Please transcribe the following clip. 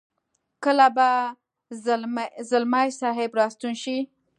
کله به ځلمی صاحب را ستون شي.